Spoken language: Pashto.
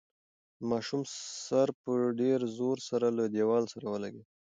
د ماشوم سر په ډېر زور سره له دېوال سره ولګېد.